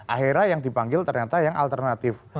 akhirnya yang dipanggil ternyata yang alternatif